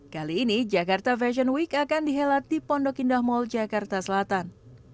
kali ini jakarta fashion week akan dihelat di pondok indah mall jakarta selatan